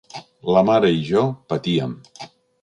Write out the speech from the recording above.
La mare i jo patíem.